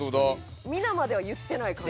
皆までは言ってない感じ。